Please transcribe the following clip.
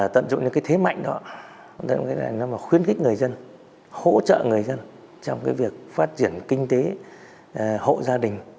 tận dụng những cái thế mạnh đó mà khuyến khích người dân hỗ trợ người dân trong cái việc phát triển kinh tế hộ gia đình